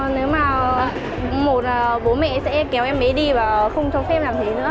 nếu mà một là bố mẹ sẽ kéo em mới đi và không cho phép làm thế nữa